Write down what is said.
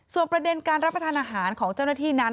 ส่วนประเด็นการรับประทานอาหารของเจ้าหน้าที่นั้น